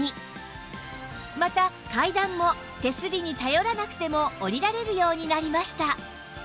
また階段も手すりに頼らなくても下りられるようになりました